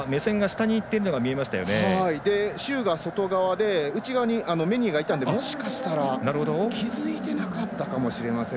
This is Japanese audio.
周が外側で内側にメニエがいたんで、もしかしたら気付いてなかったかもしれません。